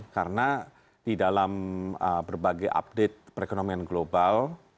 karena di dalam berbagai update perekonomian global